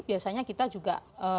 biasanya kita juga